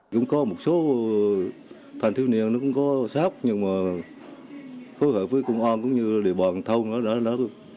cũng có một số thanh thiếu niên nó cũng có sát nhưng mà phối hợp với công an cũng như địa bàn thông đó